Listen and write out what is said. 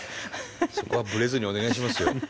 そこはブレずにお願いしますよ。